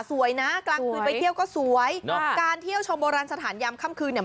สวยนะกลางคืนไปเที่ยวก็สวยครับการเที่ยวชมโบราณสถานยามค่ำคืนเนี่ย